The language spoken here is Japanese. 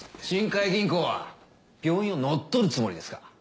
信甲斐銀行は病院を乗っ取るつもりですか。